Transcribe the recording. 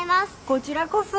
こちらこそ。